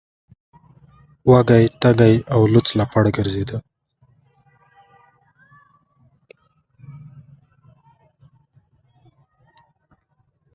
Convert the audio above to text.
وږی تږی او لوڅ لپړ ګرځیده.